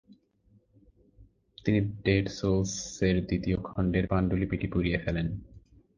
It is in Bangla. তিনি ডেড সোলসের দ্বিতীয় খণ্ডের পাণ্ডুলিপিটি পুড়িয়ে ফেলেন।